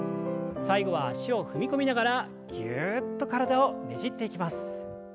最後は脚を踏み込みながらギュっと体をねじっていきます。